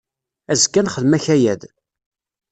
Azekka ad nexdem akayad.